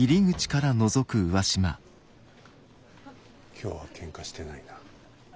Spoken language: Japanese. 今日はけんかしてないな。